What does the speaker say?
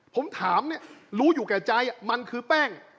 ผมถามเนี่ยรู้อยู่แก่ใจมันคือแป้ง